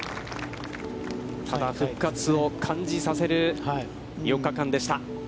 ただ、復活を感じさせる４日間でした。